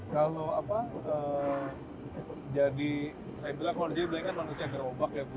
kalau apa jadi saya bilang kalau jadi belanya kan manusia gerobak ya bu ya